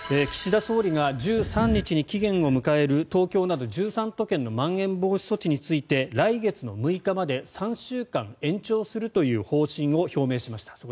岸田総理が１３日に期限を迎える東京など１３都県のまん延防止措置について来月の６日まで３週間延長するという方針を表明しました。